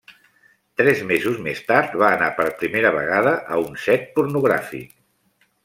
Tres mesos més tard, va anar per primera vegada a un set pornogràfic.